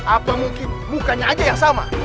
apa mungkin mukanya aja yang sama